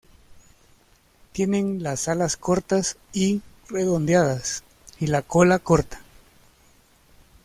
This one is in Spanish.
Tienen las alas cortas y redondeadas y la cola corta.